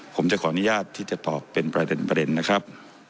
ผมจะขออนุญาตที่จะตอบเป็นประเด็นนะครับ